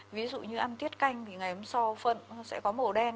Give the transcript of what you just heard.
ví dụ như ăn tiết canh thì ngày hôm sau phân sẽ có màu đen